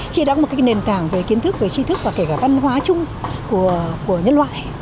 khi đóng một nền tảng về kiến thức và kiến thức và kể cả văn hóa chung của nhân loại